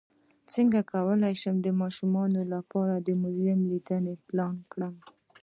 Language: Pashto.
څنګه کولی شم د ماشومانو لپاره د موزیم لیدنه پلان کړم